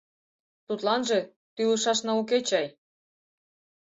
Тудланже тӱлышашна уке чай.